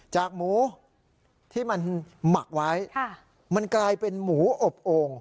หมูที่มันหมักไว้มันกลายเป็นหมูอบโอ่ง